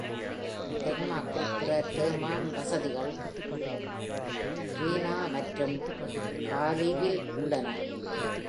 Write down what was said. டென்மார்க்கில், பிற Terma வசதிகள் Grenaa மற்றும் Herlevல் உள்ளன.